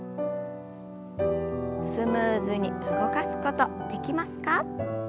スムーズに動かすことできますか？